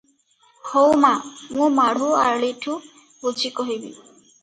ହଉ ମା, ମୁଁ ମାଢ଼ୁ ଆଳିଠୁ ବୁଝି କହିବି ।"